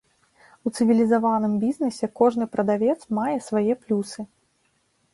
У цывілізаваным бізнэсе кожны прадавец мае свае плюсы.